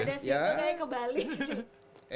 gak ada sih itu kayak kebalik sih